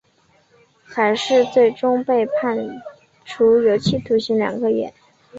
海氏最终被判处有期徒刑两个月。